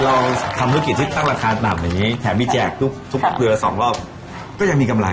เราทำธุรกิจที่ตั้งราคาหนักแบบนี้แถมมีแจกทุกเดือนละ๒รอบก็ยังมีกำไร